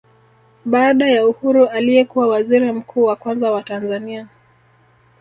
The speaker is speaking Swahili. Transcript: Baada ya uhuru aliyekuwa waziri mkuu wa kwanza wa Tanzania